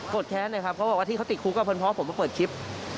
โกรธแคะ้นเพราะว่าที่ติดคุกเขาน่าคนพ่อให้เปิดคลิป